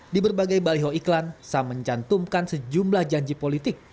di berbagai baliho iklan sam mencantumkan sejumlah janji politik